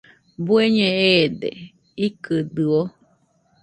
¿Bueñe eede?, ¿ikɨdɨo?